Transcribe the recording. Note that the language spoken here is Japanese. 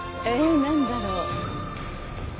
え何だろう。